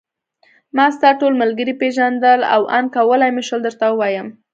ما ستا ټول ملګري پېژندل او آن کولای مې شول درته ووایم.